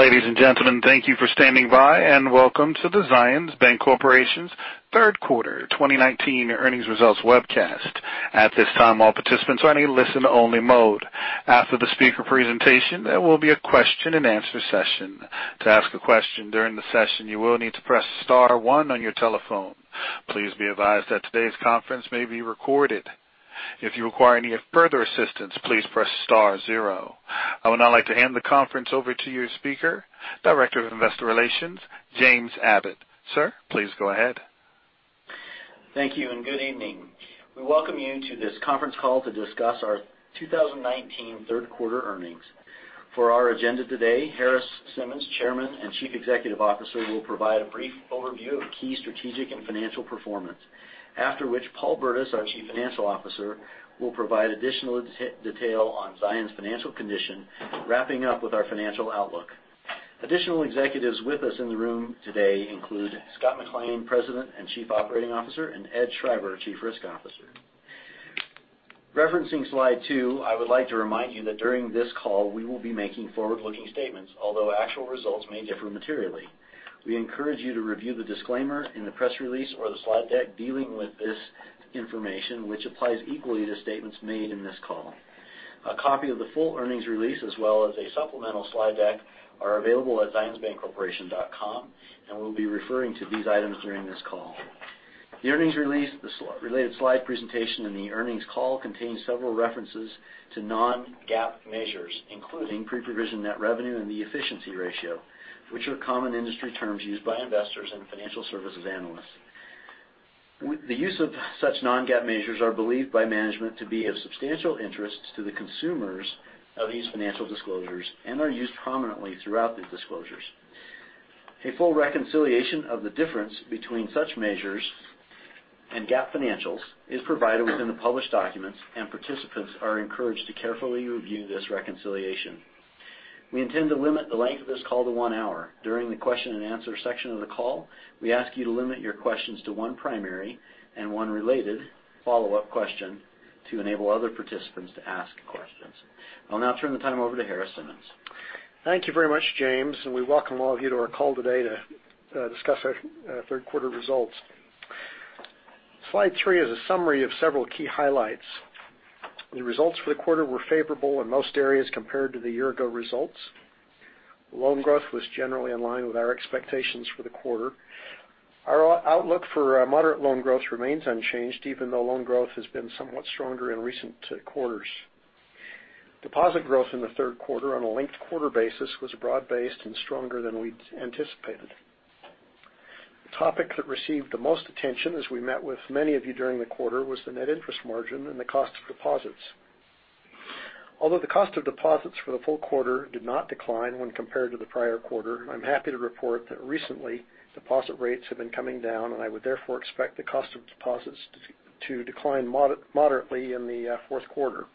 Ladies and gentlemen, thank you for standing by, and welcome to the Zions Bancorporation's third quarter 2019 earnings results webcast. At this time, all participants are in a listen-only mode. After the speaker presentation, there will be a question and answer session. To ask a question during the session, you will need to press star 1 on your telephone. Please be advised that today's conference may be recorded. If you require any further assistance, please press star 0. I would now like to hand the conference over to your speaker, Director of Investor Relations, James Abbott. Sir, please go ahead. Thank you, and good evening. We welcome you to this conference call to discuss our 2019 third quarter earnings. For our agenda today, Harris Simmons, Chairman and Chief Executive Officer, will provide a brief overview of key strategic and financial performance. Paul Burdiss, our Chief Financial Officer, will provide additional detail on Zions financial condition, wrapping up with our financial outlook. Additional executives with us in the room today include Scott McLean, President and Chief Operating Officer, and Ed Schreiber, Chief Risk Officer. Referencing slide two, I would like to remind you that during this call, we will be making forward-looking statements, although actual results may differ materially. We encourage you to review the disclaimer in the press release or the slide deck dealing with this information, which applies equally to statements made in this call. A copy of the full earnings release as well as a supplemental slide deck are available at zionsbancorporation.com. We'll be referring to these items during this call. The earnings release, the related slide presentation and the earnings call contain several references to non-GAAP measures, including pre-provision net revenue and the efficiency ratio, which are common industry terms used by investors and financial services analysts. The use of such non-GAAP measures are believed by management to be of substantial interest to the consumers of these financial disclosures and are used prominently throughout the disclosures. A full reconciliation of the difference between such measures and GAAP financials is provided within the published documents. Participants are encouraged to carefully review this reconciliation. We intend to limit the length of this call to one hour. During the question and answer section of the call, we ask you to limit your questions to one primary and one related follow-up question to enable other participants to ask questions. I'll now turn the time over to Harris Simmons. Thank you very much, James, and we welcome all of you to our call today to discuss our third quarter results. Slide three is a summary of several key highlights. The results for the quarter were favorable in most areas compared to the year-ago results. Loan growth was generally in line with our expectations for the quarter. Our outlook for moderate loan growth remains unchanged, even though loan growth has been somewhat stronger in recent quarters. Deposit growth in the third quarter on a linked-quarter basis was broad-based and stronger than we'd anticipated. The topic that received the most attention as we met with many of you during the quarter was the net interest margin and the cost of deposits. Although the cost of deposits for the full quarter did not decline when compared to the prior quarter, I'm happy to report that recently, deposit rates have been coming down, and I would therefore expect the cost of deposits to decline moderately in the fourth quarter.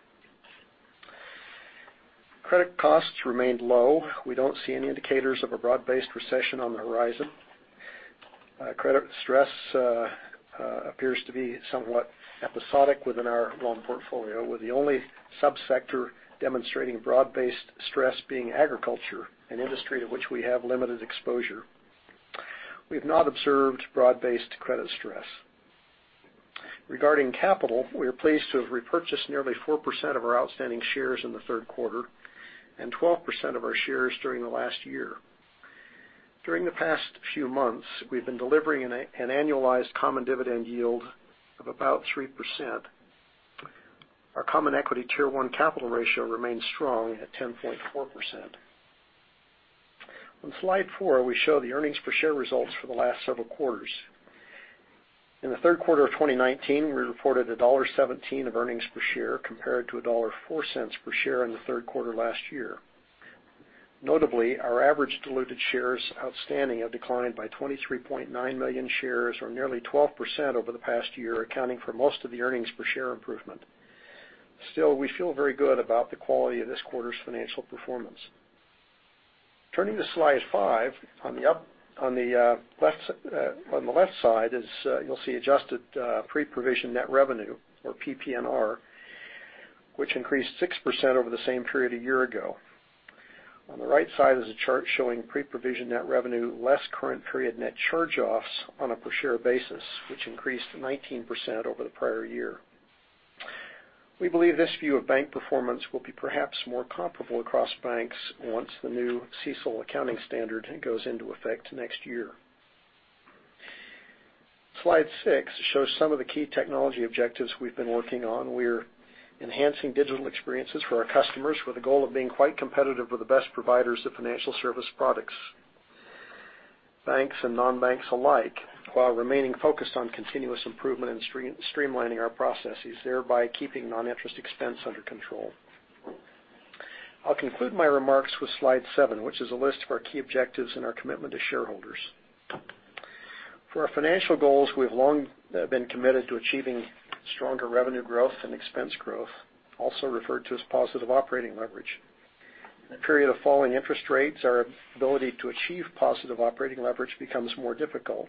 Credit costs remained low. We don't see any indicators of a broad-based recession on the horizon. Credit stress appears to be somewhat episodic within our loan portfolio, with the only sub-sector demonstrating broad-based stress being agriculture, an industry to which we have limited exposure. We've not observed broad-based credit stress. Regarding capital, we are pleased to have repurchased nearly 4% of our outstanding shares in the third quarter and 12% of our shares during the last year. During the past few months, we've been delivering an annualized common dividend yield of about 3%. Our Common Equity Tier 1 capital ratio remains strong at 10.4%. On slide four, we show the earnings per share results for the last several quarters. In the third quarter of 2019, we reported $1.17 of earnings per share compared to $1.04 per share in the third quarter last year. Notably, our average diluted shares outstanding have declined by 23.9 million shares or nearly 12% over the past year, accounting for most of the earnings per share improvement. Still, we feel very good about the quality of this quarter's financial performance. Turning to slide five, on the left side, you'll see adjusted pre-provision net revenue or PPNR, which increased 6% over the same period a year ago. On the right side is a chart showing pre-provision net revenue less current period net charge-offs on a per-share basis, which increased 19% over the prior year. We believe this view of bank performance will be perhaps more comparable across banks once the new CECL accounting standard goes into effect next year. Slide six shows some of the key technology objectives we've been working on. We're enhancing digital experiences for our customers with the goal of being quite competitive with the best providers of financial service products, banks and non-banks alike, while remaining focused on continuous improvement and streamlining our processes, thereby keeping non-interest expense under control. I'll conclude my remarks with slide seven, which is a list of our key objectives and our commitment to shareholders. For our financial goals, we have long been committed to achieving stronger revenue growth and expense growth, also referred to as positive operating leverage. In a period of falling interest rates, our ability to achieve positive operating leverage becomes more difficult.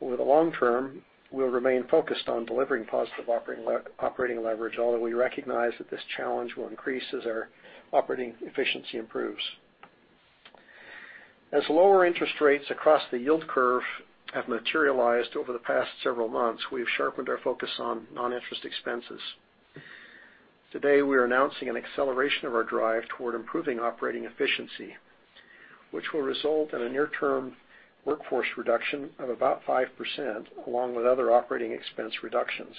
Over the long term, we'll remain focused on delivering positive operating leverage, although we recognize that this challenge will increase as our operating efficiency improves. As lower interest rates across the yield curve have materialized over the past several months, we've sharpened our focus on non-interest expenses. Today, we are announcing an acceleration of our drive toward improving operating efficiency, which will result in a near-term workforce reduction of about 5%, along with other operating expense reductions.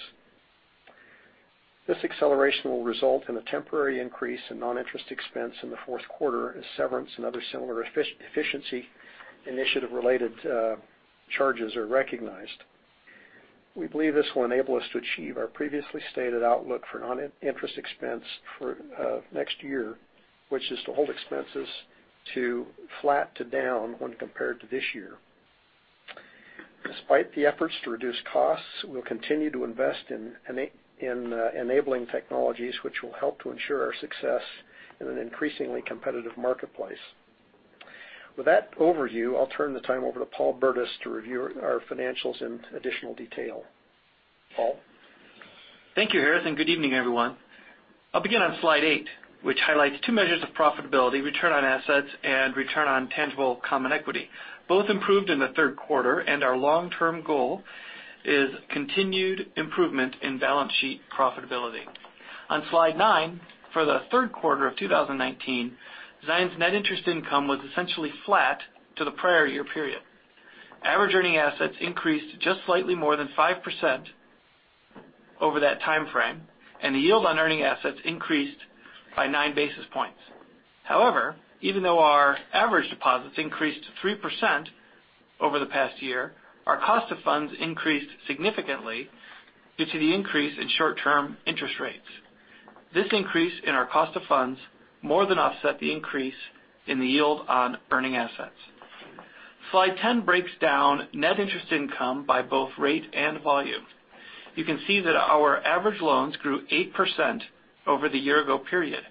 This acceleration will result in a temporary increase in non-interest expense in the fourth quarter as severance and other similar efficiency initiative-related charges are recognized. We believe this will enable us to achieve our previously stated outlook for non-interest expense for next year, which is to hold expenses to flat to down when compared to this year. Despite the efforts to reduce costs, we'll continue to invest in enabling technologies which will help to ensure our success in an increasingly competitive marketplace. With that overview, I'll turn the time over to Paul Burdiss to review our financials in additional detail. Paul? Thank you, Harris. Good evening, everyone. I'll begin on slide eight, which highlights two measures of profitability, return on assets and return on tangible common equity. Both improved in the third quarter. Our long-term goal is continued improvement in balance sheet profitability. On slide nine, for the third quarter of 2019, Zions' net interest income was essentially flat to the prior year period. Average earning assets increased just slightly more than 5% over that timeframe. The yield on earning assets increased by nine basis points. However, even though our average deposits increased 3% over the past year, our cost of funds increased significantly due to the increase in short-term interest rates. This increase in our cost of funds more than offset the increase in the yield on earning assets. Slide 10 breaks down net interest income by both rate and volume. You can see that our average loans grew 8% over the year ago period.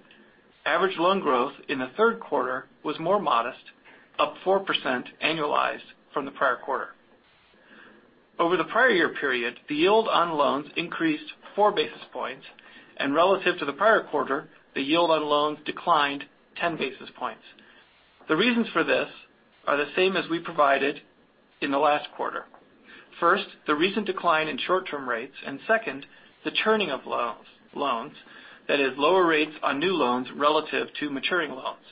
Average loan growth in the third quarter was more modest, up 4% annualized from the prior quarter. Over the prior year period, the yield on loans increased four basis points, and relative to the prior quarter, the yield on loans declined 10 basis points. The reasons for this are the same as we provided in the last quarter. First, the recent decline in short-term rates, and second, the churning of loans. That is lower rates on new loans relative to maturing loans.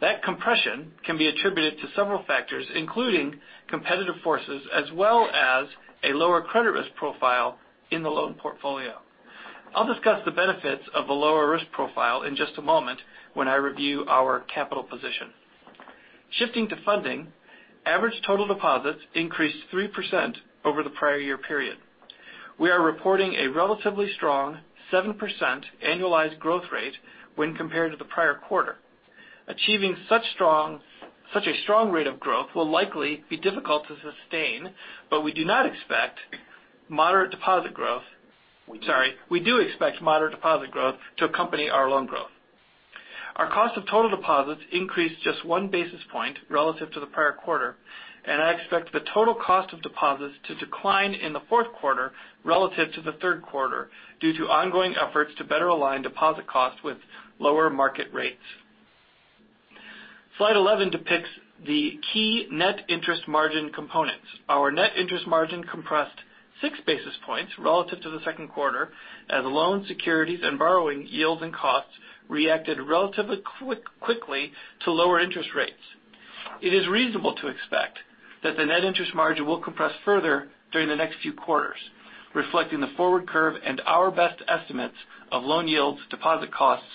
That compression can be attributed to several factors, including competitive forces, as well as a lower credit risk profile in the loan portfolio. I'll discuss the benefits of the lower risk profile in just a moment when I review our capital position. Shifting to funding, average total deposits increased 3% over the prior year period. We are reporting a relatively strong 7% annualized growth rate when compared to the prior quarter. Achieving such a strong rate of growth will likely be difficult to sustain, but we do not expect moderate deposit growth. We do expect moderate deposit growth to accompany our loan growth. Our cost of total deposits increased just one basis point relative to the prior quarter, and I expect the total cost of deposits to decline in the fourth quarter relative to the third quarter due to ongoing efforts to better align deposit costs with lower market rates. Slide 11 depicts the key net interest margin components. Our net interest margin compressed six basis points relative to the second quarter as loan securities and borrowing yields and costs reacted relatively quickly to lower interest rates. It is reasonable to expect that the net interest margin will compress further during the next few quarters, reflecting the forward curve and our best estimates of loan yields, deposit costs,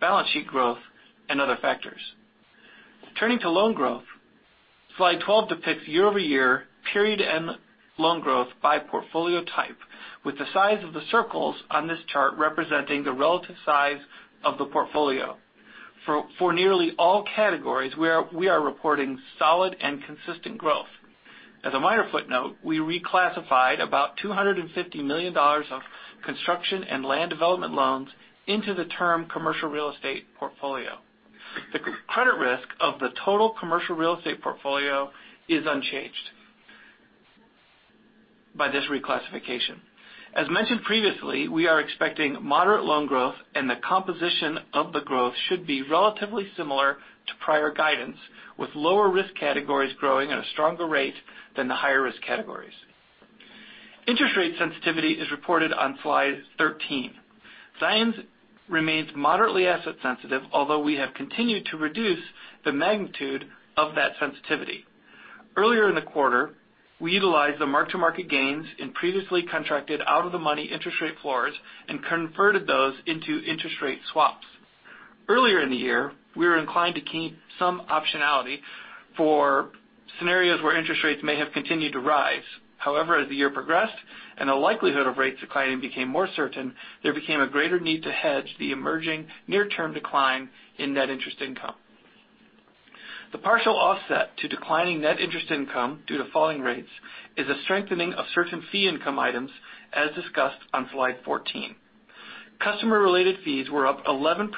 balance sheet growth, and other factors. Turning to loan growth, slide 12 depicts year-over-year period end loan growth by portfolio type, with the size of the circles on this chart representing the relative size of the portfolio. For nearly all categories, we are reporting solid and consistent growth. As a minor footnote, we reclassified about $250 million of construction and land development loans into the term commercial real estate portfolio. The credit risk of the total commercial real estate portfolio is unchanged by this reclassification. As mentioned previously, we are expecting moderate loan growth, and the composition of the growth should be relatively similar to prior guidance, with lower risk categories growing at a stronger rate than the higher risk categories. Interest rate sensitivity is reported on slide 13. Zions remains moderately asset sensitive, although we have continued to reduce the magnitude of that sensitivity. Earlier in the quarter, we utilized the mark-to-market gains in previously contracted out-of-the-money interest rate floors and converted those into interest rate swaps. Earlier in the year, we were inclined to keep some optionality for scenarios where interest rates may have continued to rise. However, as the year progressed and the likelihood of rates declining became more certain, there became a greater need to hedge the emerging near-term decline in net interest income. The partial offset to declining net interest income due to falling rates is a strengthening of certain fee income items, as discussed on slide 14. Customer-related fees were up 11%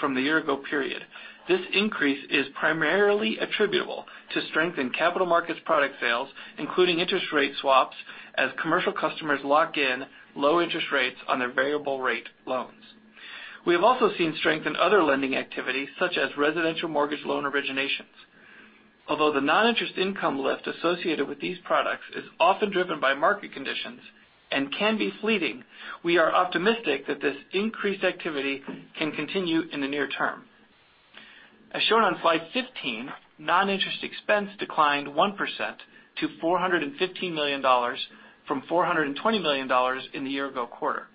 from the year ago period. This increase is primarily attributable to strength in capital markets product sales, including interest rate swaps as commercial customers lock in low interest rates on their variable rate loans. We have also seen strength in other lending activities, such as residential mortgage loan originations. Although the non-interest income lift associated with these products is often driven by market conditions and can be fleeting, we are optimistic that this increased activity can continue in the near term. As shown on slide 15, non-interest expense declined 1% to $415 million from $420 million in the year ago quarter.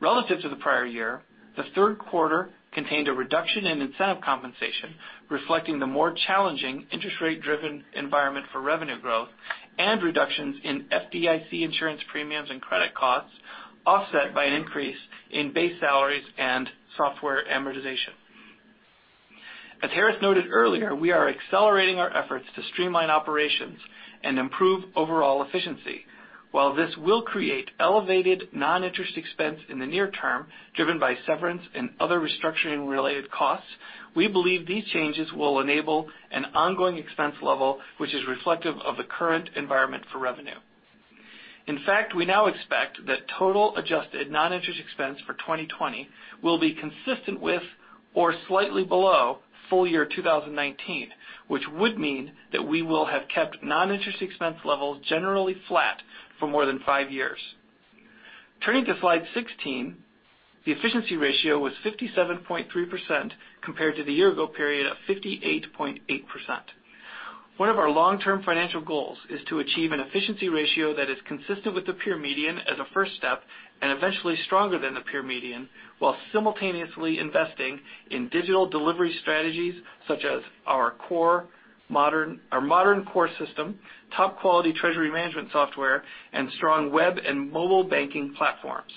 Relative to the prior year, the third quarter contained a reduction in incentive compensation, reflecting the more challenging interest rate-driven environment for revenue growth and reductions in FDIC insurance premiums and credit costs, offset by an increase in base salaries and software amortization. As Harris noted earlier, we are accelerating our efforts to streamline operations and improve overall efficiency. While this will create elevated non-interest expense in the near term, driven by severance and other restructuring-related costs, we believe these changes will enable an ongoing expense level which is reflective of the current environment for revenue. In fact, we now expect that total adjusted non-interest expense for 2020 will be consistent with or slightly below full year 2019, which would mean that we will have kept non-interest expense levels generally flat for more than five years. Turning to slide 16, the efficiency ratio was 57.3% compared to the year ago period of 58.8%. One of our long-term financial goals is to achieve an efficiency ratio that is consistent with the peer median as a first step, and eventually stronger than the peer median, while simultaneously investing in digital delivery strategies such as our modern core system, top-quality treasury management software, and strong web and mobile banking platforms.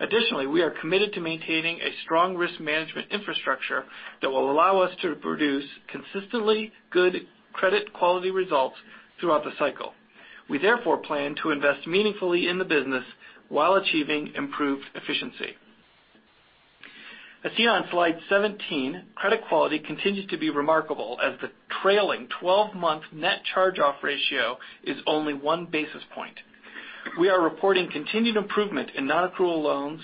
Additionally, we are committed to maintaining a strong risk management infrastructure that will allow us to produce consistently good credit quality results throughout the cycle. We therefore plan to invest meaningfully in the business while achieving improved efficiency. As seen on slide 17, credit quality continues to be remarkable as the trailing 12-month net charge-off ratio is only one basis point. We are reporting continued improvement in non-accrual loans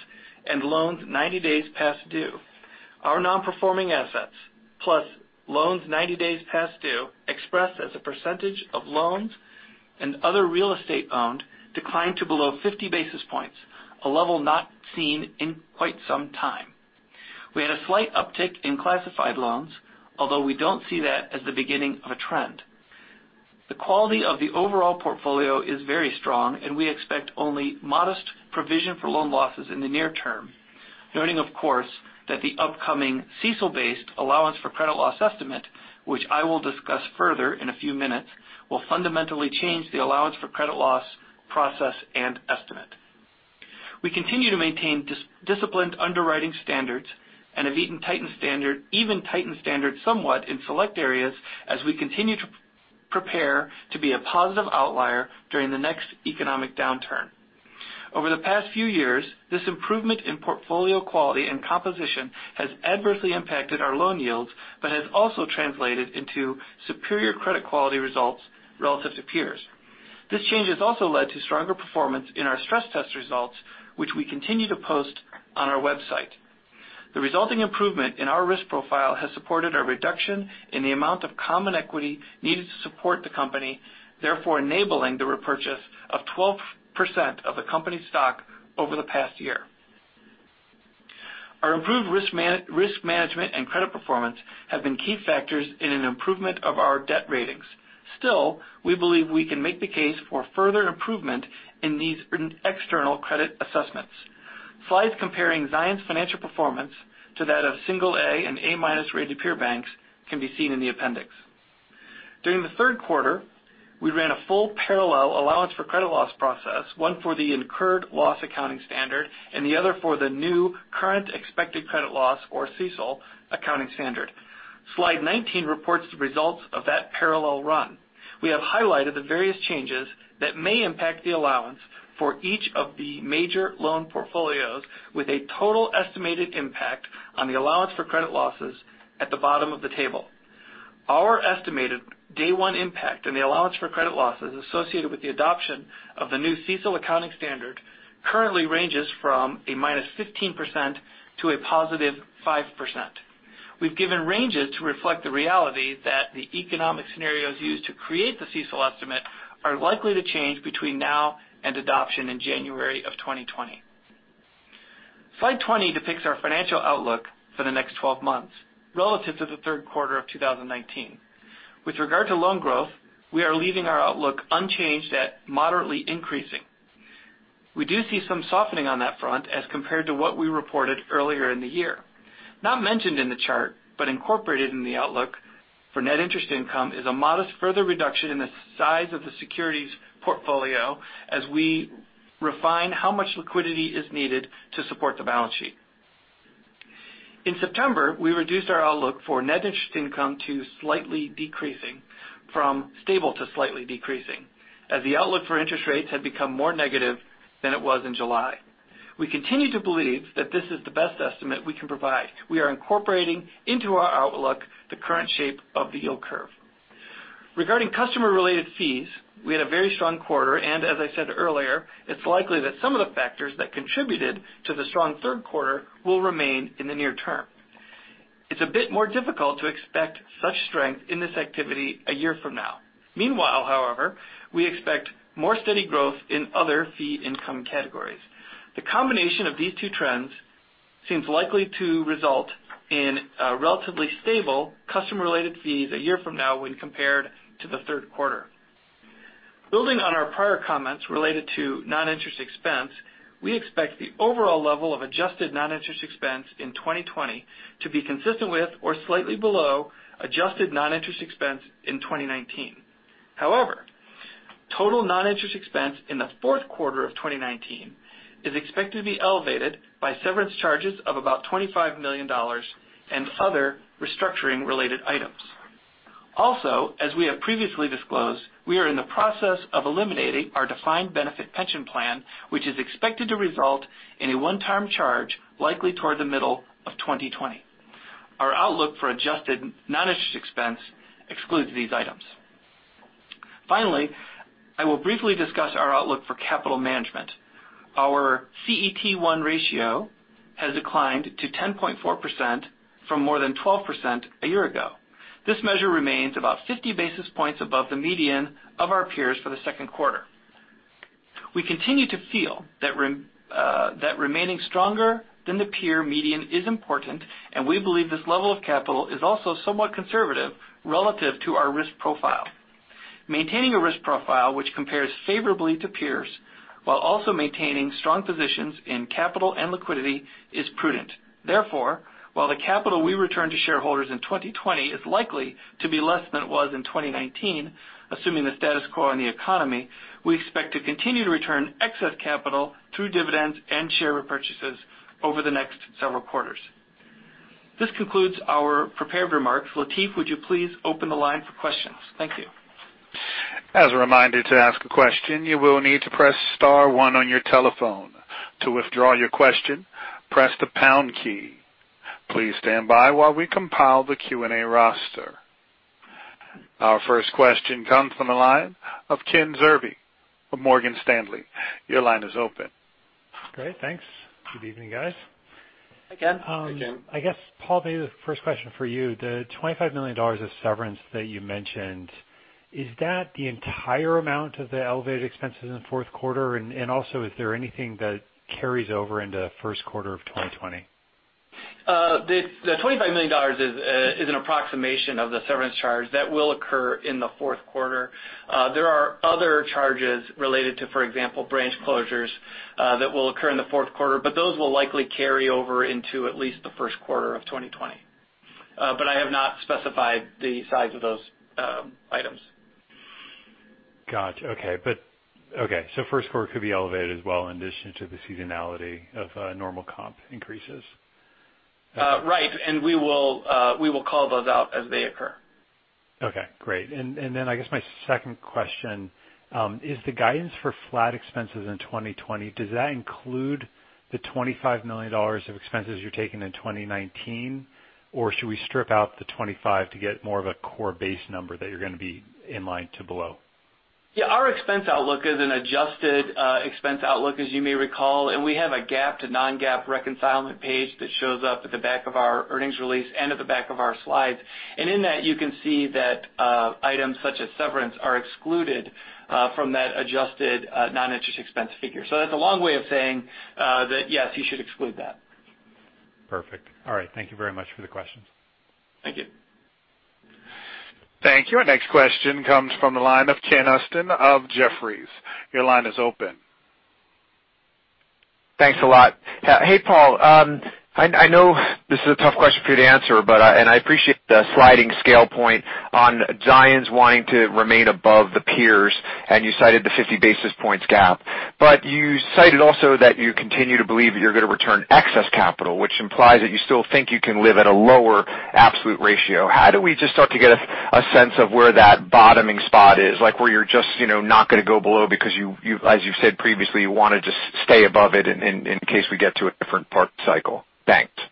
and loans 90 days past due. Our non-performing assets, plus loans 90 days past due, expressed as a percentage of loans and other real estate owned, declined to below 50 basis points, a level not seen in quite some time. We had a slight uptick in classified loans, although we don't see that as the beginning of a trend. The quality of the overall portfolio is very strong, and we expect only modest provision for loan losses in the near term, noting, of course, that the upcoming CECL-based allowance for credit loss estimate, which I will discuss further in a few minutes, will fundamentally change the allowance for credit loss process and estimate. We continue to maintain disciplined underwriting standards and have even tightened standards somewhat in select areas as we continue to prepare to be a positive outlier during the next economic downturn. Over the past few years, this improvement in portfolio quality and composition has adversely impacted our loan yields but has also translated into superior credit quality results relative to peers. This change has also led to stronger performance in our stress test results, which we continue to post on our website. The resulting improvement in our risk profile has supported a reduction in the amount of common equity needed to support the company, therefore enabling the repurchase of 12% of the company stock over the past year. Our improved risk management and credit performance have been key factors in an improvement of our debt ratings. Still, we believe we can make the case for further improvement in these external credit assessments. Slides comparing Zions financial performance to that of single A and A-minus rated peer banks can be seen in the appendix. During the third quarter, we ran a full parallel allowance for credit loss process, one for the incurred loss accounting standard and the other for the new Current Expected Credit Loss, or CECL, accounting standard. Slide 19 reports the results of that parallel run. We have highlighted the various changes that may impact the allowance for each of the major loan portfolios with a total estimated impact on the allowance for credit losses at the bottom of the table. Our estimated day one impact on the allowance for credit losses associated with the adoption of the new CECL accounting standard currently ranges from a -15% to a +5%. We've given ranges to reflect the reality that the economic scenarios used to create the CECL estimate are likely to change between now and adoption in January of 2020. Slide 20 depicts our financial outlook for the next 12 months relative to the third quarter of 2019. With regard to loan growth, we are leaving our outlook unchanged at moderately increasing. We do see some softening on that front as compared to what we reported earlier in the year. Not mentioned in the chart, but incorporated in the outlook for net interest income is a modest further reduction in the size of the securities portfolio as we refine how much liquidity is needed to support the balance sheet. In September, we reduced our outlook for net interest income to slightly decreasing from stable to slightly decreasing, as the outlook for interest rates had become more negative than it was in July. We continue to believe that this is the best estimate we can provide. We are incorporating into our outlook the current shape of the yield curve. Regarding customer-related fees, we had a very strong quarter, and as I said earlier, it's likely that some of the factors that contributed to the strong third quarter will remain in the near term. It's a bit more difficult to expect such strength in this activity a year from now. Meanwhile, however, we expect more steady growth in other fee income categories. The combination of these two trends seems likely to result in a relatively stable customer-related fees a year from now when compared to the third quarter. Building on our prior comments related to non-interest expense, we expect the overall level of adjusted non-interest expense in 2020 to be consistent with or slightly below adjusted non-interest expense in 2019. However, total non-interest expense in the fourth quarter of 2019 is expected to be elevated by severance charges of about $25 million and other restructuring related items. As we have previously disclosed, we are in the process of eliminating our defined benefit pension plan, which is expected to result in a one-time charge likely toward the middle of 2020. Our outlook for adjusted non-interest expense excludes these items. I will briefly discuss our outlook for capital management. Our CET1 ratio has declined to 10.4% from more than 12% a year ago. This measure remains about 50 basis points above the median of our peers for the second quarter. We continue to feel that remaining stronger than the peer median is important, and we believe this level of capital is also somewhat conservative relative to our risk profile. Maintaining a risk profile which compares favorably to peers while also maintaining strong positions in capital and liquidity is prudent. Therefore, while the capital we return to shareholders in 2020 is likely to be less than it was in 2019, assuming the status quo in the economy, we expect to continue to return excess capital through dividends and share repurchases over the next several quarters. This concludes our prepared remarks. Lateef, would you please open the line for questions? Thank you. As a reminder, to ask a question, you will need to press *1 on your telephone. To withdraw your question, press the # key. Please stand by while we compile the Q&A roster. Our first question comes from the line of Ken Zerbe of Morgan Stanley. Your line is open. Great. Thanks. Good evening, guys. Hey, Ken. Hey, Ken. I guess, Paul, maybe the first question for you, the $25 million of severance that you mentioned, is that the entire amount of the elevated expenses in the fourth quarter? Also, is there anything that carries over into first quarter of 2020? The $25 million is an approximation of the severance charge that will occur in the fourth quarter. There are other charges related to, for example, branch closures, that will occur in the fourth quarter, but those will likely carry over into at least the first quarter of 2020. I have not specified the size of those items. Got you. Okay. first quarter could be elevated as well in addition to the seasonality of normal comp increases? Right. We will call those out as they occur. Okay, great. I guess my second question, is the guidance for flat expenses in 2020, does that include the $25 million of expenses you're taking in 2019, or should we strip out the $25 to get more of a core base number that you're going to be in line to below? Yeah, our expense outlook is an adjusted expense outlook, as you may recall, and we have a GAAP to non-GAAP reconcilement page that shows up at the back of our earnings release and at the back of our slides. In that, you can see that items such as severance are excluded from that adjusted non-interest expense figure. That's a long way of saying that, yes, you should exclude that. Perfect. All right. Thank you very much for the questions. Thank you. Thank you. Our next question comes from the line of Ken Usdin of Jefferies. Your line is open. Thanks a lot. Hey, Paul. I know this is a tough question for you to answer, and I appreciate the sliding scale point on Zions wanting to remain above the peers, and you cited the 50 basis points gap. You cited also that you continue to believe that you're going to return excess capital, which implies that you still think you can live at a lower absolute ratio. How do we just start to get a sense of where that bottoming spot is? Like where you're just not going to go below because as you've said previously, you want to just stay above it in case we get to a different part cycle. Thanks. Right.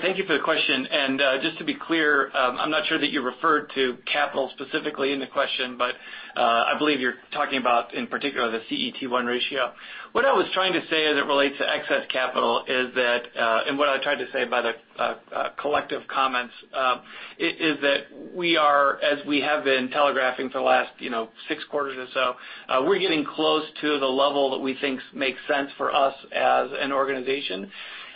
Thank you for the question. Just to be clear, I'm not sure that you referred to capital specifically in the question, but I believe you're talking about, in particular, the CET1 ratio. What I was trying to say as it relates to excess capital is that, what I tried to say by the collective comments, is that we are, as we have been telegraphing for the last six quarters or so, we're getting close to the level that we think makes sense for us as an organization.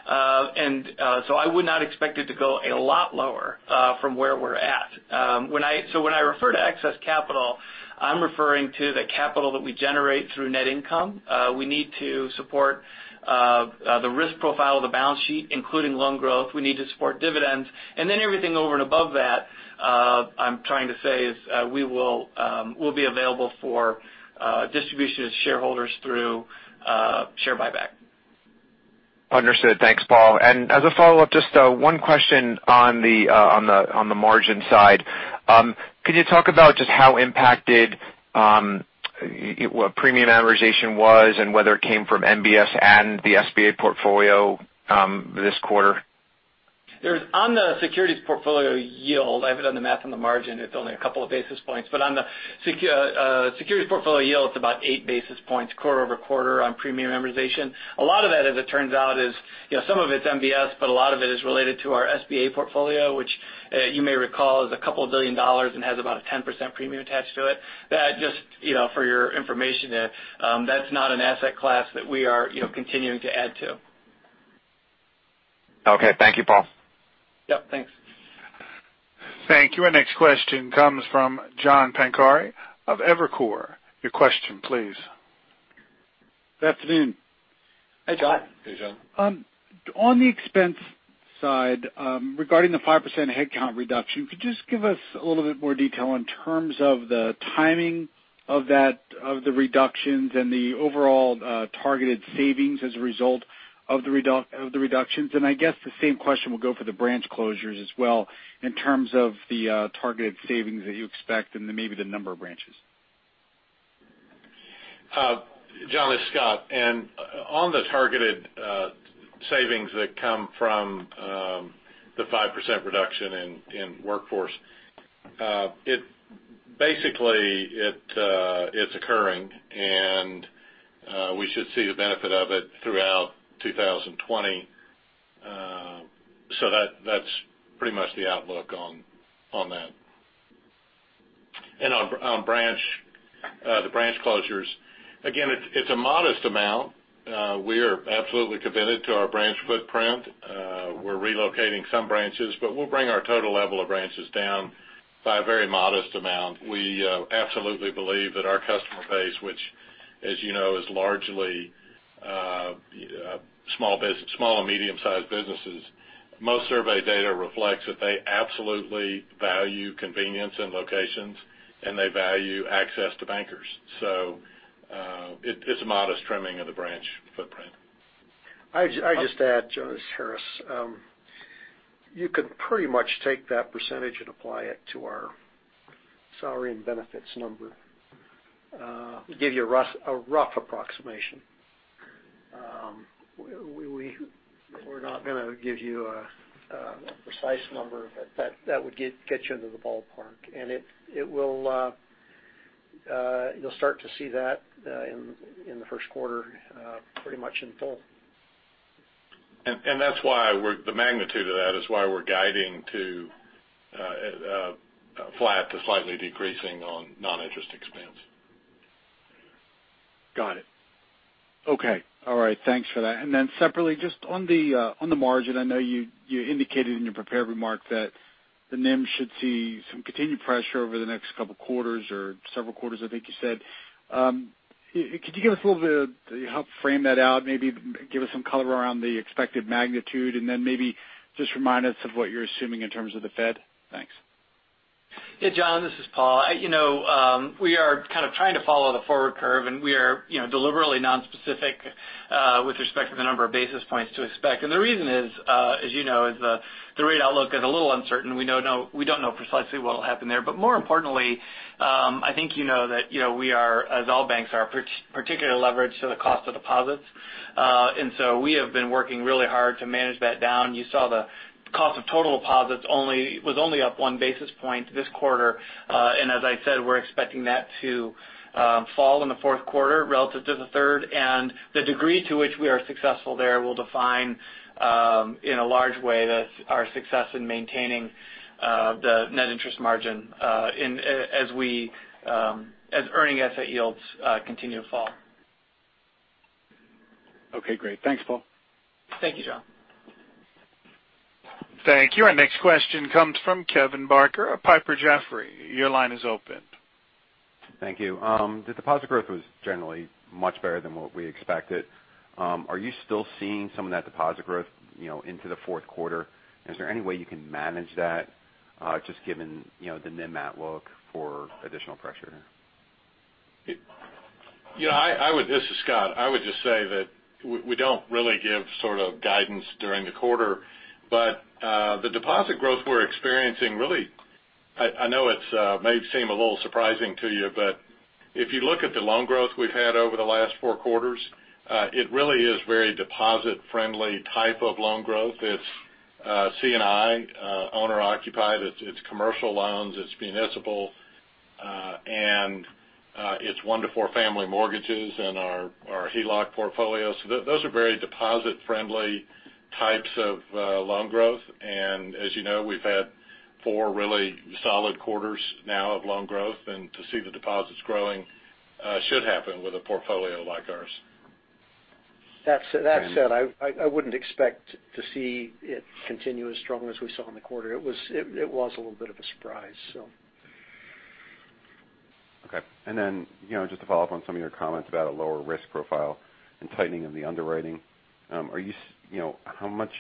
I would not expect it to go a lot lower from where we're at. When I refer to excess capital, I'm referring to the capital that we generate through net income. We need to support the risk profile of the balance sheet, including loan growth. We need to support dividends. Everything over and above that, I'm trying to say is, will be available for distribution to shareholders through share buyback. Understood. Thanks, Paul. As a follow-up, just one question on the margin side. Could you talk about just how impacted what premium amortization was and whether it came from MBS and the SBA portfolio this quarter? On the securities portfolio yield, I haven't done the math on the margin, it's only a couple of basis points. On the securities portfolio yield, it's about eight basis points quarter-over-quarter on premium amortization. A lot of that, as it turns out, is, you know, some of it's MBS, but a lot of it is related to our SBA portfolio, which, you may recall is $2 billion and has about a 10% premium attached to it. That just, you know, for your information, that's not an asset class that we are, you know, continuing to add to. Okay. Thank you, Paul. Yep, thanks. Thank you. Our next question comes from John Pancari of Evercore. Your question please. Good afternoon. Hey, John. Hey, John. On the expense side, regarding the 5% headcount reduction, could you just give us a little bit more detail in terms of the timing of that, of the reductions and the overall targeted savings as a result of the reductions? I guess the same question will go for the branch closures as well in terms of the targeted savings that you expect and then maybe the number of branches? John, it's Scott. On the targeted savings that come from the 5% reduction in workforce, it's occurring, and we should see the benefit of it throughout 2020. That's pretty much the outlook on that. On branch, the branch closures, again, it's a modest amount. We are absolutely committed to our branch footprint. We're relocating some branches, but we'll bring our total level of branches down by a very modest amount. We absolutely believe that our customer base, which as you know, is largely small and medium-sized businesses, most survey data reflects that they absolutely value convenience and locations, and they value access to bankers. It's a modest trimming of the branch footprint. I just add, John, it's Harris. You could pretty much take that percentage and apply it to our salary and benefits number to give you a rough approximation. We're not gonna give you a precise number, but that would get you into the ballpark. It will, you'll start to see that in the first quarter pretty much in full. That's why the magnitude of that is why we're guiding to flat to slightly decreasing on non-interest expense. Got it. Okay. All right. Thanks for that. Separately, just on the margin, I know you indicated in your prepared remarks that the NIM should see some continued pressure over the next couple quarters or several quarters I think you said. Could you give us a little bit of help frame that out, maybe give us some color around the expected magnitude, maybe just remind us of what you're assuming in terms of the Fed? Thanks. Yeah, John, this is Paul. You know, we are kind of trying to follow the forward curve, and we are, you know, deliberately nonspecific, with respect to the number of basis points to expect. The reason is, as you know, the rate outlook is a little uncertain. We know we don't know precisely what'll happen there. More importantly, I think you know that, you know, we are, as all banks are, particularly leveraged to the cost of deposits. We have been working really hard to manage that down. You saw the cost of total deposits only, was only up one basis point this quarter. We're expecting that to fall in the fourth quarter relative to the third. The degree to which we are successful there will define, in a large way that our success in maintaining the net interest margin, in, as we, as earning asset yields, continue to fall. Okay, great. Thanks, Paul. Thank you, John. Thank you. Our next question comes from Kevin Barker of Piper Jaffray. Your line is open. Thank you. The deposit growth was generally much better than what we expected. Are you still seeing some of that deposit growth, you know, into the fourth quarter? Is there any way you can manage that, just given, you know, the NIM outlook for additional pressure? You know, I would This is Scott. I would just say that we don't really give sort of guidance during the quarter. The deposit growth we're experiencing really, I know it's may seem a little surprising to you, but if you look at the loan growth we've had over the last 4 quarters, it really is very deposit friendly type of loan growth. It's C&I, owner occupied. It's commercial loans, it's municipal, and it's 1 to 4 family mortgages and our HELOC portfolio. Those are very deposit friendly types of loan growth. As you know, we've had 4 really solid quarters now of loan growth. To see the deposits growing should happen with a portfolio like ours. That said, I wouldn't expect to see it continue as strong as we saw in the quarter. It was a little bit of a surprise, so. Okay. You know, just to follow up on some of your comments about a lower risk profile and tightening of the underwriting, you know, how much-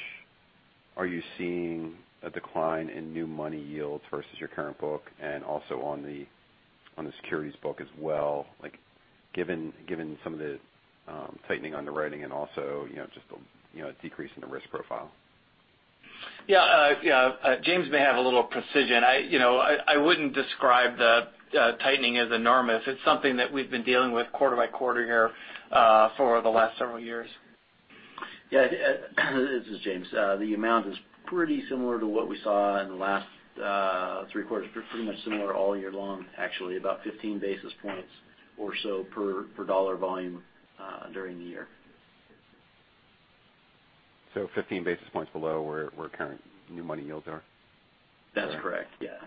Are you seeing a decline in new money yields versus your current book and also on the securities book as well, given some of the tightening underwriting and also just a decrease in the risk profile? Yeah. James may have a little precision. I wouldn't describe the tightening as enormous. It's something that we've been dealing with quarter by quarter here for the last several years. Yeah. This is James. The amount is pretty similar to what we saw in the last three quarters. Pretty much similar all year long, actually, about 15 basis points or so per dollar volume during the year. 15 basis points below where current new money yields are? That's correct, yeah.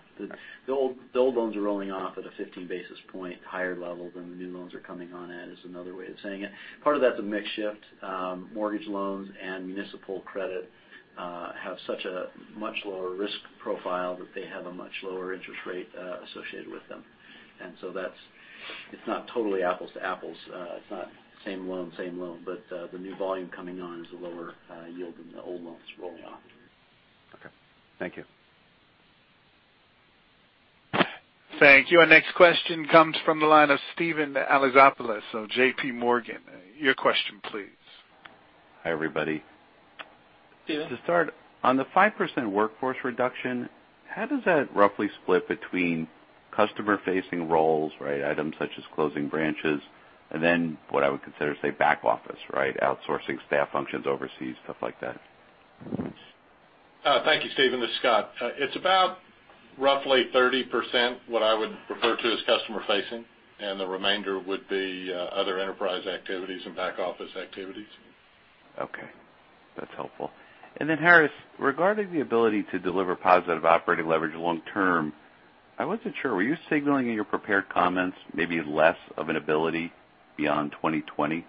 The old loans are rolling off at a 15 basis point higher level than the new loans are coming on at, is another way of saying it. Part of that's a mix shift. Mortgage loans and municipal credit have such a much lower risk profile that they have a much lower interest rate associated with them. It's not totally apples to apples. It's not same loan, the new volume coming on is a lower yield than the old loans rolling off. Okay. Thank you. Thank you. Our next question comes from the line of Steven Alexopoulos of J.P. Morgan. Your question please. Hi, everybody. Steven. To start, on the 5% workforce reduction, how does that roughly split between customer-facing roles, items such as closing branches, and then what I would consider, say, back office? Outsourcing staff functions overseas, stuff like that. Thank you, Steven. This is Scott. It's about roughly 30% what I would refer to as customer facing, and the remainder would be other enterprise activities and back office activities. Okay. That's helpful. Harris, regarding the ability to deliver positive operating leverage long term, I wasn't sure, were you signaling in your prepared comments maybe less of an ability beyond 2020?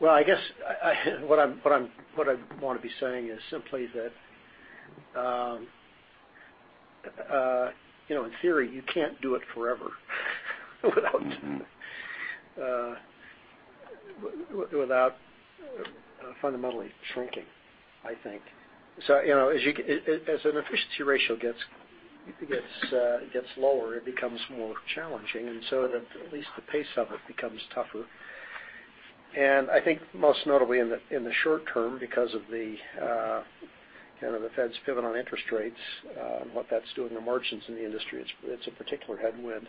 Well, I guess what I want to be saying is simply that, in theory, you can't do it forever without fundamentally shrinking, I think. As an efficiency ratio gets lower, it becomes more challenging. At least the pace of it becomes tougher. I think most notably in the short term because of the Fed's pivot on interest rates, and what that's doing to margins in the industry, it's a particular headwind.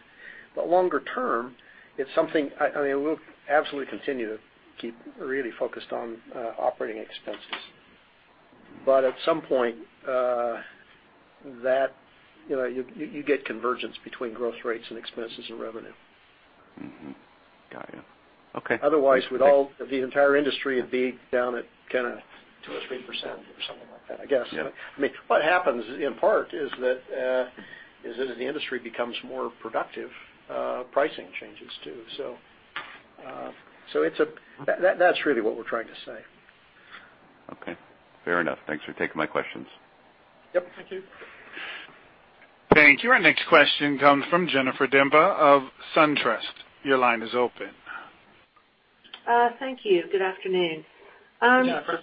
Longer term, we'll absolutely continue to keep really focused on operating expenses. At some point, you get convergence between growth rates and expenses and revenue. Got you. Okay. Otherwise, the entire industry would be down at kind of 2% or 3% or something like that, I guess. Yeah. What happens, in part, is that as the industry becomes more productive, pricing changes too. That's really what we're trying to say. Okay. Fair enough. Thanks for taking my questions. Yep. Thank you. Thank you. Our next question comes from Jennifer Demba of SunTrust. Your line is open. Thank you. Good afternoon. Jennifer.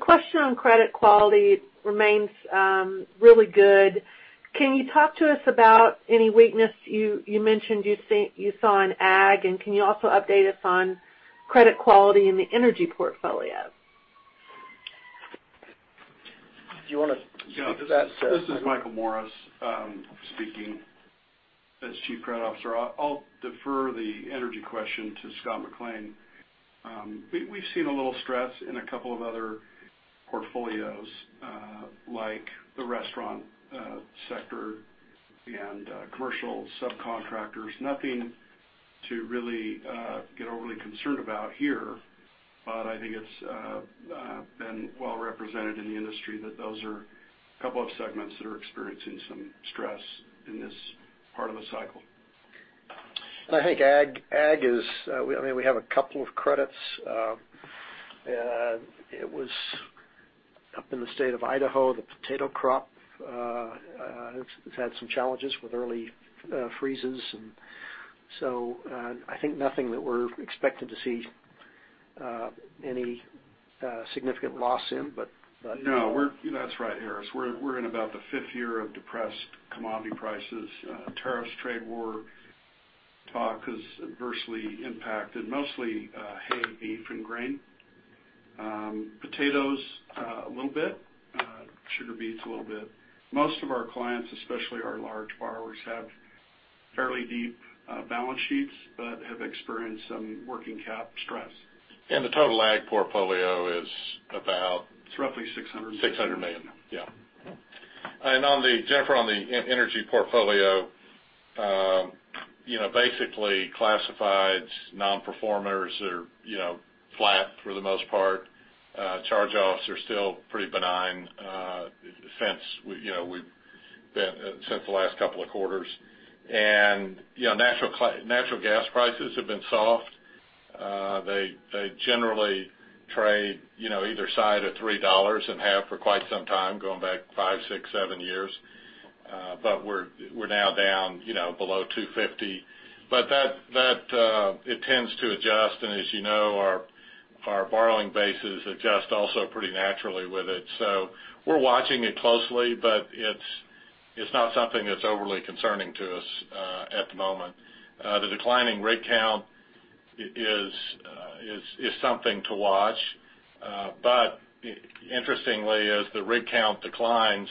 Question on credit quality remains really good. Can you talk to us about any weakness you mentioned you saw in ag, and can you also update us on credit quality in the energy portfolio? Do you want to take that, Scott? This is Michael Morris speaking as Chief Credit Officer. I'll defer the energy question to Scott McLean. We've seen a little stress in a couple of other portfolios, like the restaurant sector and commercial subcontractors. Nothing to really get overly concerned about here, but I think it's been well represented in the industry that those are a couple of segments that are experiencing some stress in this part of the cycle. I think ag, we have a couple of credits. It was up in the state of Idaho, the potato crop has had some challenges with early freezes, I think nothing that we're expecting to see any significant loss in. No. That's right, Harris. We're in about the fifth year of depressed commodity prices. Tariff trade war talk has adversely impacted mostly hay, beef, and grain. Potatoes, a little bit. Sugar beets a little bit. Most of our clients, especially our large borrowers, have fairly deep balance sheets but have experienced some working cap stress. The total ag portfolio is about. It's roughly $600 million. $600 million. Yeah. Jennifer, on the energy portfolio, basically classified non-performers that are flat for the most part. Charge-offs are still pretty benign since the last couple of quarters. Natural gas prices have been soft. They generally trade either side of $3 and have for quite some time, going back five, six, seven years. We're now down below $2.50. It tends to adjust, and as you know, our borrowing bases adjust also pretty naturally with it. We're watching it closely, but it's not something that's overly concerning to us at the moment. The declining rig count is something to watch. Interestingly, as the rig count declines,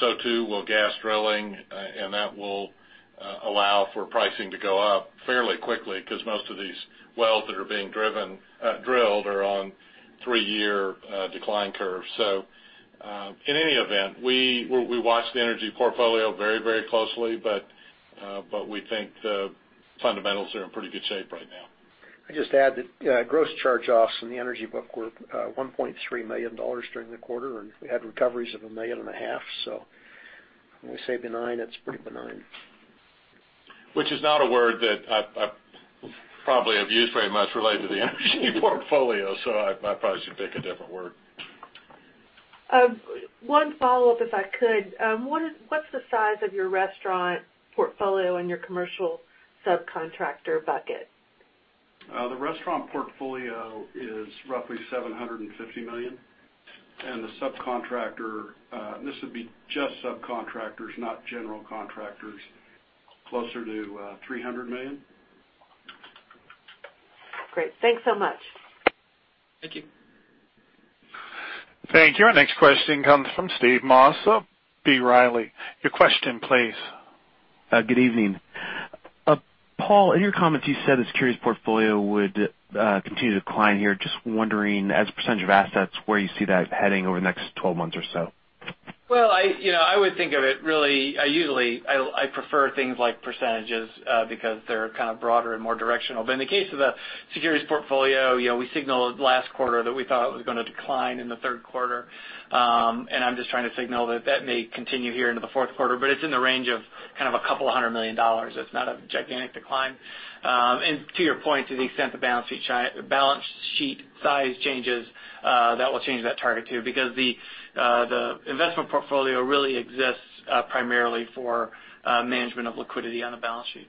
so too will gas drilling, and that will allow for pricing to go up fairly quickly because most of these wells that are being drilled are on three-year decline curves. In any event, we watch the energy portfolio very closely, but we think the fundamentals are in pretty good shape right now. I just add that gross charge-offs in the energy book were $1.3 million during the quarter, and we had recoveries of a million and a half. When we say benign, that's pretty benign. Which is not a word that I probably have used very much related to the energy portfolio. I probably should pick a different word. One follow-up, if I could. What's the size of your restaurant portfolio and your commercial subcontractor bucket? The restaurant portfolio is roughly $750 million, and the subcontractor, and this would be just subcontractors, not general contractors, closer to $300 million. Great. Thanks so much. Thank you. Thank you. Our next question comes from Steve Moss of B. Riley. Your question, please. Good evening. Paul, in your comments you said the securities portfolio would continue to decline here. Just wondering, as a percentage of assets, where you see that heading over the next 12 months or so? Usually, I prefer things like percentages because they're kind of broader and more directional. In the case of the securities portfolio, we signaled last quarter that we thought it was going to decline in the third quarter. I'm just trying to signal that that may continue here into the fourth quarter, but it's in the range of kind of a couple of hundred million dollars. To your point, to the extent the balance sheet size changes, that will change that target too, because the investment portfolio really exists primarily for management of liquidity on the balance sheet.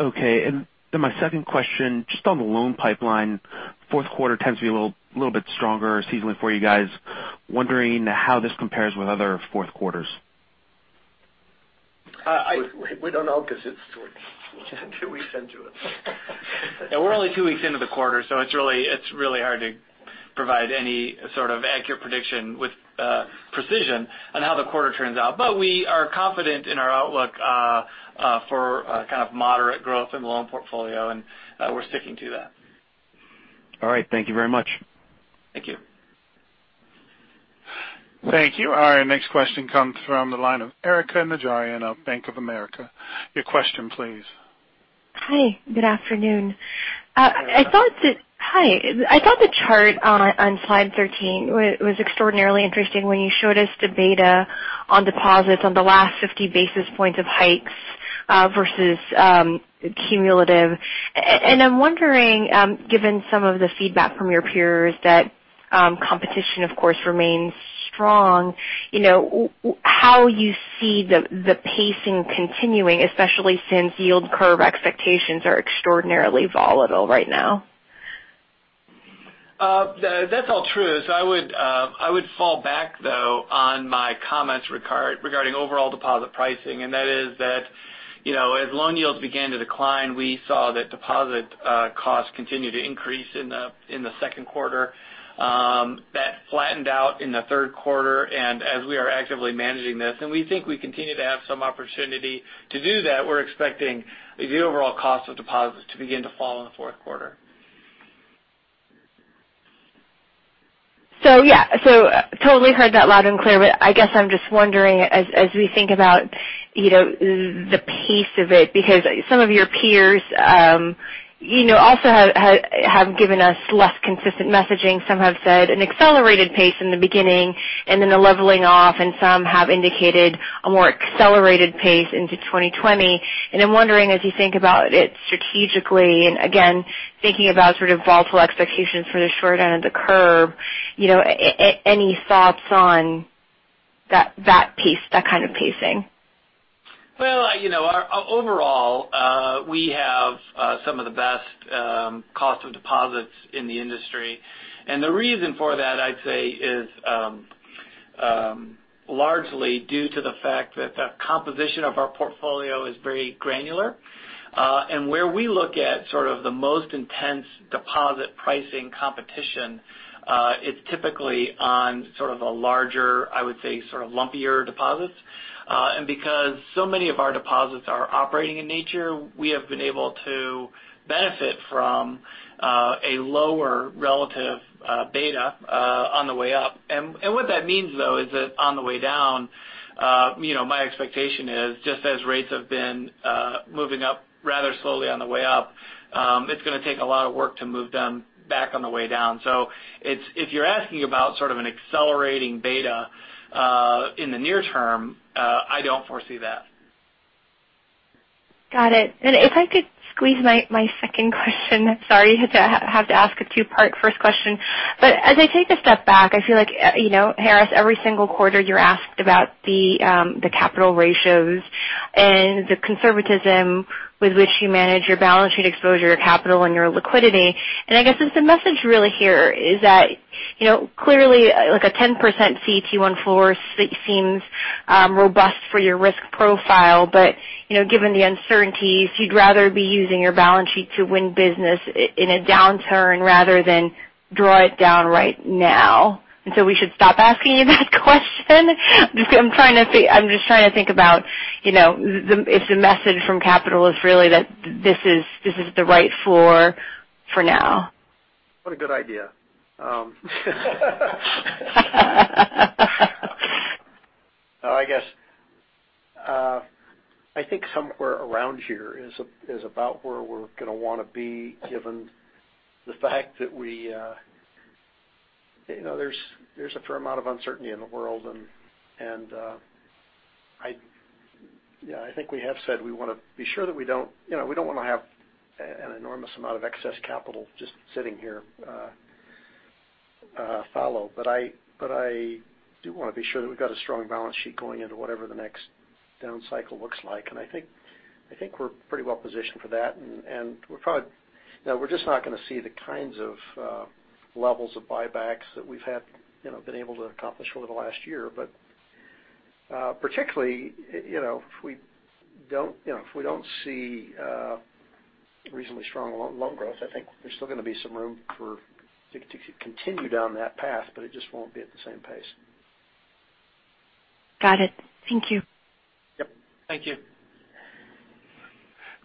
Okay. My second question, just on the loan pipeline, fourth quarter tends to be a little bit stronger seasonally for you guys. Wondering how this compares with other fourth quarters? We don't know because it's two weeks into it. Yeah, we're only two weeks into the quarter, so it's really hard to provide any sort of accurate prediction with precision on how the quarter turns out. We are confident in our outlook for kind of moderate growth in the loan portfolio, and we're sticking to that. All right. Thank you very much. Thank you. Thank you. Our next question comes from the line of Erika Najarian of Bank of America. Your question, please. Hi, good afternoon. Hi. I thought the chart on slide 13 was extraordinarily interesting when you showed us the beta on deposits on the last 50 basis points of hikes versus cumulative. I'm wondering, given some of the feedback from your peers that competition, of course, remains strong, how you see the pacing continuing, especially since yield curve expectations are extraordinarily volatile right now. That's all true. I would fall back, though, on my comments regarding overall deposit pricing, and that is that as loan yields began to decline, we saw that deposit costs continued to increase in the second quarter. That flattened out in the third quarter, and as we are actively managing this, and we think we continue to have some opportunity to do that, we're expecting the overall cost of deposits to begin to fall in the fourth quarter. Yeah. Totally heard that loud and clear. I guess I'm just wondering, as we think about the pace of it because some of your peers also have given us less consistent messaging. Some have said an accelerated pace in the beginning and then a leveling off, and some have indicated a more accelerated pace into 2020. I'm wondering, as you think about it strategically, and again, thinking about sort of volatile expectations for the short end of the curve, any thoughts on that kind of pacing? Well, overall, we have some of the best cost of deposits in the industry. The reason for that, I'd say, is largely due to the fact that the composition of our portfolio is very granular. Where we look at sort of the most intense deposit pricing competition, it's typically on sort of a larger, I would say sort of lumpier deposits. Because so many of our deposits are operating in nature, we have been able to benefit from a lower relative beta on the way up. What that means, though, is that on the way down, my expectation is just as rates have been moving up rather slowly on the way up, it's going to take a lot of work to move them back on the way down. If you're asking about sort of an accelerating beta in the near term, I don't foresee that. Got it. If I could squeeze my second question. Sorry to have to ask a two-part first question. As I take a step back, I feel like, Harris, every single quarter you're asked about the capital ratios and the conservatism with which you manage your balance sheet exposure, your capital, and your liquidity. I guess, is the message really here is that clearly, a 10% CET1 floor seems robust for your risk profile, but given the uncertainties, you'd rather be using your balance sheet to win business in a downturn rather than draw it down right now. We should stop asking you that question? I'm just trying to think about if the message from capital is really that this is the right floor for now. What a good idea. I think somewhere around here is about where we're going to want to be, given the fact that there's a fair amount of uncertainty in the world. I think we have said we want to be sure that we don't want to have an enormous amount of excess capital just sitting here fallow. I do want to be sure that we've got a strong balance sheet going into whatever the next down cycle looks like. I think we're pretty well positioned for that. We're just not going to see the kinds of levels of buybacks that we've been able to accomplish over the last year. Particularly, if we don't see reasonably strong loan growth, I think there's still going to be some room to continue down that path, but it just won't be at the same pace. Got it. Thank you. Yep. Thank you.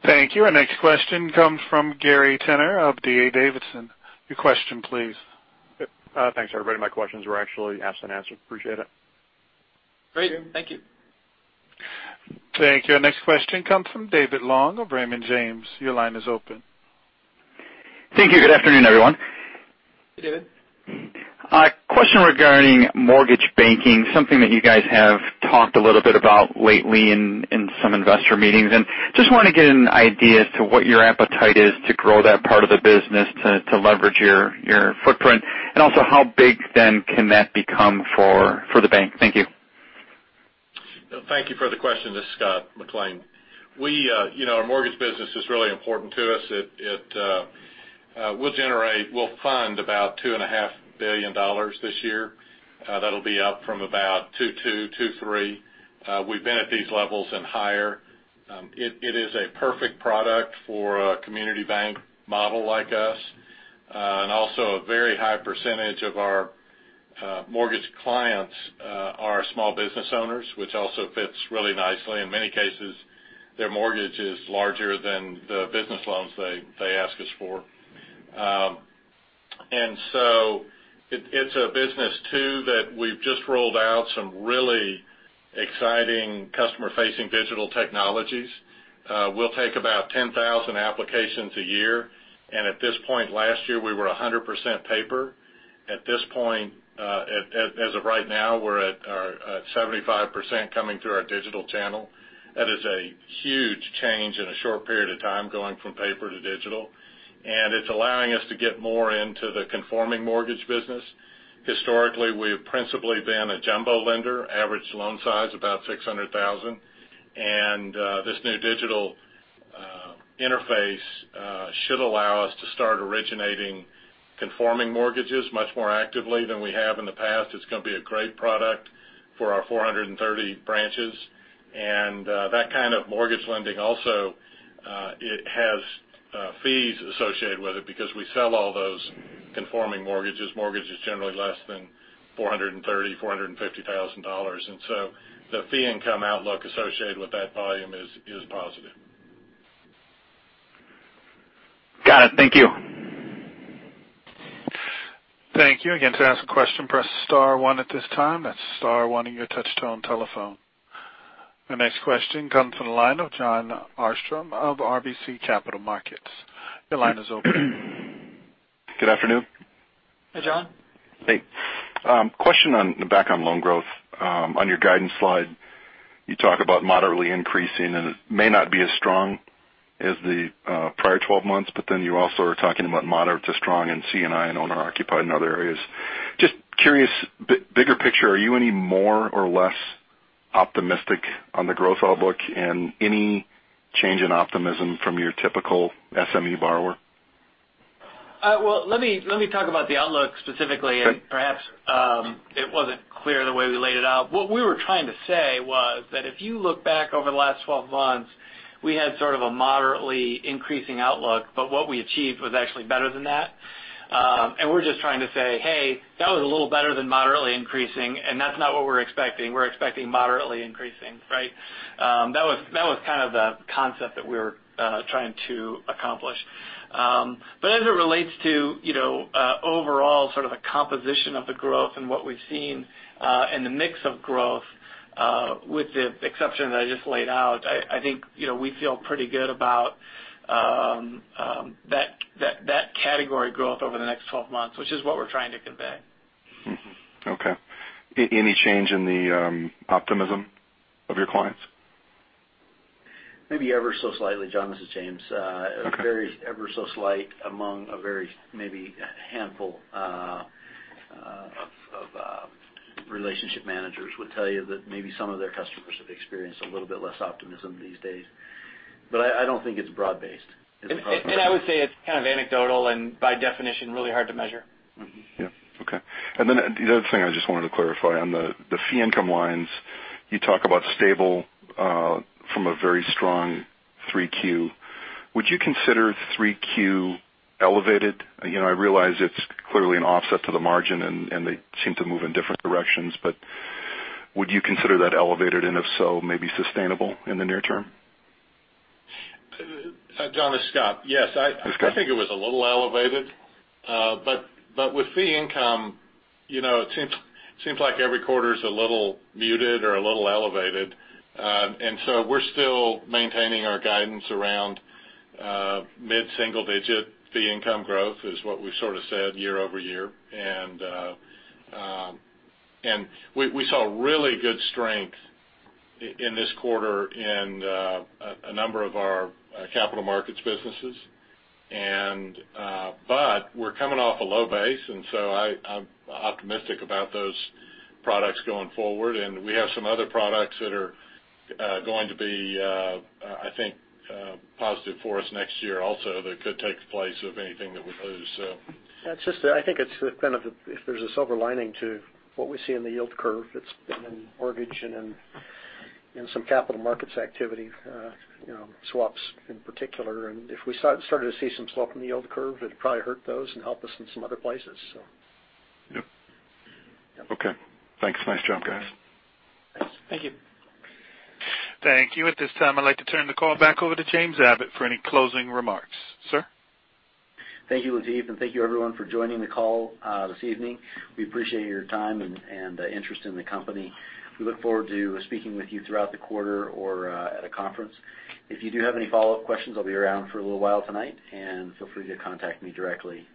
Thank you. Our next question comes from Gary Tenner of D.A. Davidson. Your question, please. Thanks, everybody. My questions were actually asked and answered. Appreciate it. Great. Thank you. Thank you. Our next question comes from David Long of Raymond James. Your line is open. Thank you. Good afternoon, everyone. Hey, David. A question regarding mortgage banking, something that you guys have talked a little bit about lately in some investor meetings. Just want to get an idea as to what your appetite is to grow that part of the business to leverage your footprint. Also how big then can that become for the bank? Thank you. Thank you for the question. This is Scott McLean. Our mortgage business is really important to us. We'll fund about $2.5 billion this year. That'll be up from about $2.2 billion-$2.3 billion. We've been at these levels and higher. It is a perfect product for a community bank model like us. Also a very high percentage of our mortgage clients are small business owners, which also fits really nicely. In many cases, their mortgage is larger than the business loans they ask us for. It's a business too that we've just rolled out some really exciting customer-facing digital technologies. We'll take about 10,000 applications a year, and at this point last year, we were 100% paper. At this point, as of right now, we're at 75% coming through our digital channel. That is a huge change in a short period of time, going from paper to digital. It's allowing us to get more into the conforming mortgage business. Historically, we've principally been a jumbo lender, average loan size about $600,000. This new digital interface should allow us to start originating conforming mortgages much more actively than we have in the past. It's going to be a great product for our 430 branches. That kind of mortgage lending also, it has fees associated with it because we sell all those conforming mortgages. Mortgage is generally less than $430,000-$450,000. The fee income outlook associated with that volume is positive. Got it. Thank you. Thank you. To ask a question, press star one at this time. That's star one on your touch-tone telephone. Our next question comes from the line of Jon Arfstrom of RBC Capital Markets. Your line is open. Good afternoon. Hey, Jon. Hey. Question on the back on loan growth. On your guidance slide, you talk about moderately increasing. It may not be as strong as the prior 12 months. You also are talking about moderate to strong in C&I and owner-occupied and other areas. Just curious, bigger picture, are you any more or less optimistic on the growth outlook and any change in optimism from your typical SME borrower? Well, let me talk about the outlook specifically. Okay. Perhaps it wasn't clear the way we laid it out. What we were trying to say was that if you look back over the last 12 months, we had sort of a moderately increasing outlook, but what we achieved was actually better than that. We're just trying to say, "Hey, that was a little better than moderately increasing. That's not what we're expecting. We're expecting moderately increasing," right? That was kind of the concept that we were trying to accomplish. As it relates to overall sort of the composition of the growth and what we've seen, and the mix of growth, with the exception that I just laid out, I think we feel pretty good about that category growth over the next 12 months, which is what we're trying to convey. Okay. Any change in the optimism of your clients? Maybe ever so slightly, Jon. This is James. Okay. Very ever so slight among a very maybe handful of relationship managers would tell you that maybe some of their customers have experienced a little bit less optimism these days. I don't think it's broad-based. I would say it's kind of anecdotal and by definition, really hard to measure. Yeah. Okay. The other thing I just wanted to clarify on the fee income lines, you talk about stable from a very strong 3Q. Would you consider 3Q elevated? I realize it's clearly an offset to the margin, and they seem to move in different directions, but would you consider that elevated, and if so, maybe sustainable in the near term? Jon, it's Scott. Yes. Scott. I think it was a little elevated. With fee income, it seems like every quarter's a little muted or a little elevated. We're still maintaining our guidance around mid-single digit fee income growth is what we've sort of said year-over-year. We saw really good strength in this quarter in a number of our capital markets businesses. We're coming off a low base, and so I'm optimistic about those products going forward. We have some other products that are going to be, I think, positive for us next year also, that could take the place of anything that we lose. That's just, I think if there's a silver lining to what we see in the yield curve, it's been in mortgage and in some capital markets activity swaps in particular. If we started to see some slope in the yield curve, it'd probably hurt those and help us in some other places, so. Yep. Okay. Thanks. Nice job, guys. Thank you. Thank you. At this time, I'd like to turn the call back over to James Abbott for any closing remarks. Sir? Thank you, Lateef, and thank you, everyone, for joining the call this evening. We appreciate your time and interest in the company. We look forward to speaking with you throughout the quarter or at a conference. If you do have any follow-up questions, I'll be around for a little while tonight, and feel free to contact me directly.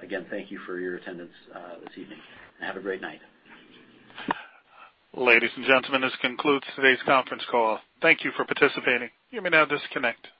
Again, thank you for your attendance this evening, and have a great night. Ladies and gentlemen, this concludes today's conference call. Thank you for participating. You may now disconnect.